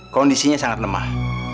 kondisinya sangat lemah